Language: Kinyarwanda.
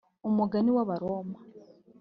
umugani w'abaroma